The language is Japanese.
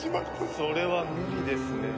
それは無理ですねえ。